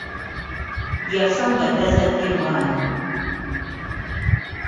Yafa nga tazadde mwana.